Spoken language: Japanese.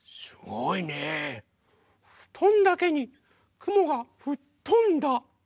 ふとんだけにくもがふっとんだ。